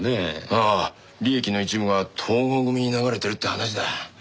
ああ利益の一部が東剛組に流れてるって話だ。